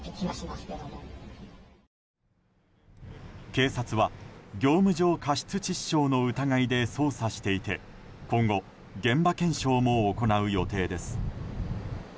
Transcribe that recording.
警察は、業務上過失致死傷の疑いで捜査していて今後、現場検証も行う予定です。